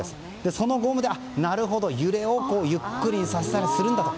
そのゴムで、なるほど、揺れをゆっくりさせるんだと。